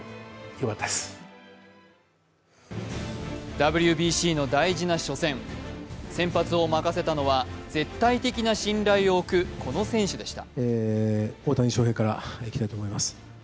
ＷＢＣの大事な初戦先発を任せたのは絶対的な信頼を置くこの選手でした。